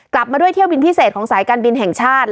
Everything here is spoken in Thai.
กลับมาด้วยเที่ยวบินพิเศษของสายการบินแห่งชาติ